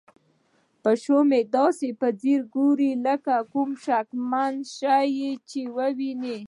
پیشو مې داسې په ځیر ګوري لکه کوم شکمن شی چې ویني.